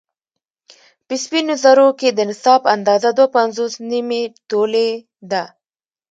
په سپينو زرو کې د نصاب اندازه دوه پنځوس نيمې تولې ده